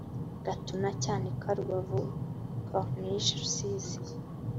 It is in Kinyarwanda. gatuna cyanika rubavu corniche rusizi